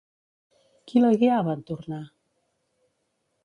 Qui la guiava, en tornar?